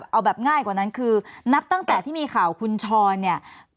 เอาแบบง่ายกว่านั้นคือนับตั้งแต่ที่มีข่าวคุณชรเนี่ย